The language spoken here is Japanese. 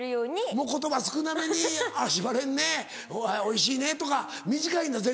もう言葉少なめに「しばれんね」「おいしいね」とか短いんだ全部。